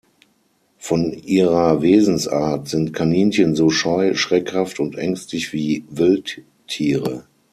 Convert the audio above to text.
Von ihrer Wesensart sind Kaninchen so scheu, schreckhaft und ängstlich wie Wildtiere.